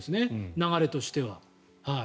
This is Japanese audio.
流れとしては。